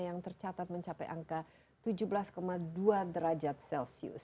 yang tercatat mencapai angka tujuh belas dua derajat celcius